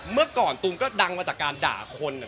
เมื่อก่อนตูมก็ดังมาจากการด่าคน